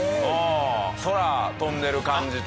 空飛んでる感じと。